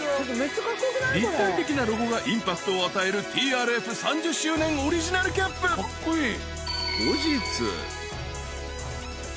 ［立体的なロゴがインパクトを与えるＴＲＦ３０周年オリジナルキャップ］イェイ！